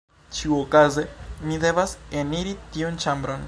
Ĉiuokaze mi devas eniri tiun ĉambron.